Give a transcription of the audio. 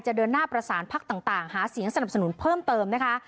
เดินหน้าประสานพักต่างหาเสียงสนับสนุนเพิ่มเติมนะคะ